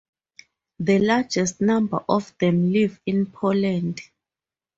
The largest number of them live in Poland.